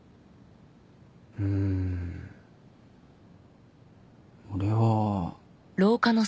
うん。俺は。